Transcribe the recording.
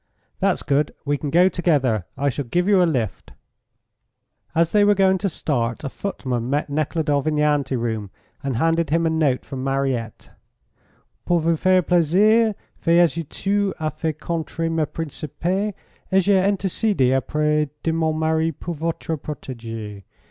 "That's good; we can go together. I shall give you a lift." As they were going to start, a footman met Nekhludoff in the ante room, and handed him a note from Mariette: _Pour vous faire plaisir, f'ai agi tout a fait contre mes principes et j'ai intercede aupres de mon mari pour votre protegee.